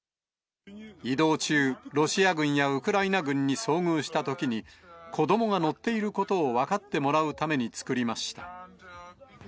移動中、ロシア軍やウクライナ軍に遭遇したときに、子どもが乗っていることを分かってもらうために作りました。